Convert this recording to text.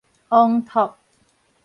王拓